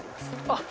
あっ